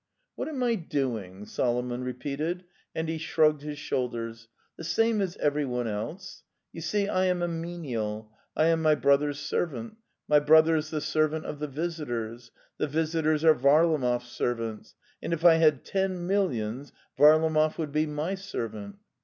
'" What am I doing?" Solomon repeated, and he shrugged his shoulders. '' The same as everyone else. ... Yousee, lama menial, I am my brother's servant; my brother's the servant of the visitors; the visitors are Varlamov's servants; and if I had ten millions, Varlamov would be my servant."